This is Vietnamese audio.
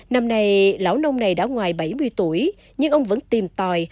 năm nay lão nông này đã ngoài bảy mươi tuổi nhưng ông vẫn tìm tòi